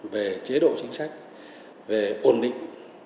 về chế độ chính sách về ổn định